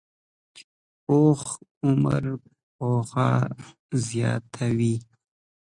پوخ عمر پوهه زیاته وي